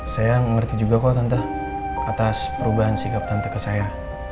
saya ngerti juga kok tante atas perubahan sikap tante ke saya